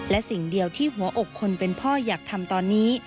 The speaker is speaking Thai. และสิ่งเดียวที่หัวอกคนเป็นพ่ออยากทำตอนนี้